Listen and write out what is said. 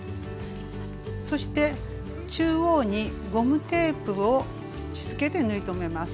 そして中央にゴムテープをしつけで縫い留めます。